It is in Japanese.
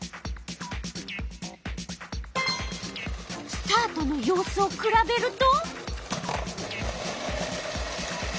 スタートの様子をくらべると？